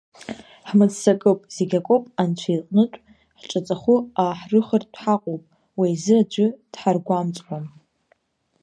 Ҳмыццакып, зегь акоуп анцәа иҟнытә ҳҿаҵахәы ааҳрыхыртә ҳаҟоуп, уи азы аӡәы дҳаргәамҵуам.